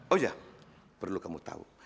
oh iya perlu kamu tau